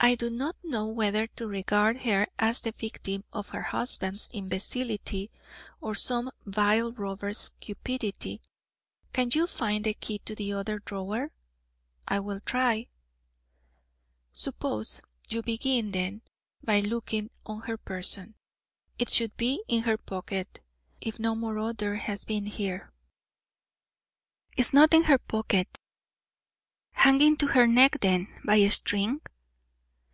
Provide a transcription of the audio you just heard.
"I do not know whether to regard her as the victim of her husband's imbecility or of some vile robber's cupidity. Can you find the key to the other drawer?" "I will try." "Suppose you begin, then, by looking on her person. It should be in her pocket, if no marauder has been here." "It is not in her pocket." "Hanging to her neck, then, by a string?"